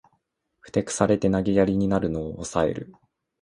ふてくされて投げやりになるのをおさえる